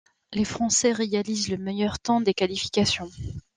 Les Français réalisent le meilleur temps des qualifications.